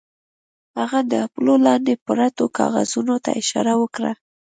هغه د اپولو لاندې پرتو کاغذونو ته اشاره وکړه